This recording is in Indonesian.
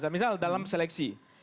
misal dalam seleksi